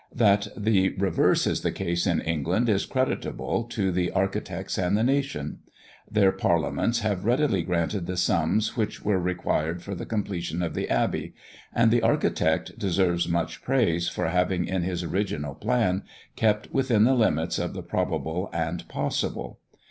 That the reverse is the case in England is creditable to the architects and the nation. Their parliaments have readily granted the sums which were required for the completion of the abbey; and the architect deserves much praise for having, in his original plan, kept within the limits of the probable and possible.